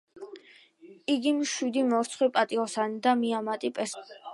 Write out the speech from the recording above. იგი მშვიდი, მორცხვი, პატიოსანი და მიამიტი პერსონაჟია.